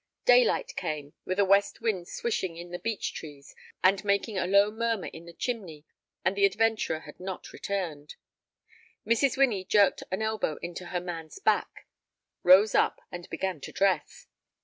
Daylight came, with a west wind swishing in the beech trees and making a low murmur in the chimney, and the adventurer had not returned. Mrs. Winnie jerked an elbow into her man's back, rose up, and began to dress.